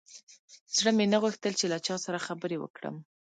زړه مې نه غوښتل چې له چا سره خبرې وکړم.